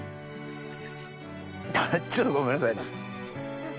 ちょっとごめんなさいね。